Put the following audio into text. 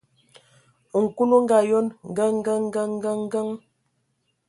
Nkul o ngaayon: Kəŋ, kəŋ, kəŋ, kəŋ, kəŋ!.